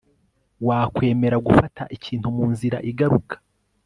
wakwemera gufata ikintu munzira igaruka